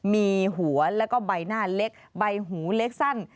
มีหัวแล้วก็ใบหน้าเล็กใบหูเล็กสั้น